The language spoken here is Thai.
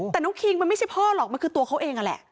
แต่น้องคิงมันไม่ใช่พ่อหรอกมันคือตัวเขาเองนั่นแหละ